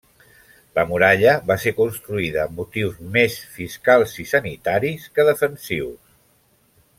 La muralla va ser construïda amb motius més fiscals i sanitaris que defensius.